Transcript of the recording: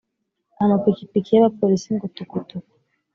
amapikipiki y’abapolisi ngo tukutuku